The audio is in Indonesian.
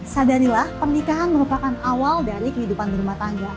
sadarilah pernikahan merupakan awal dari kehidupan di rumah tangga